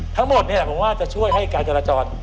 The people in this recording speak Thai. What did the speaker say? ทั้งหมดนี่แหละผมว่าจะช่วยให้การจราจร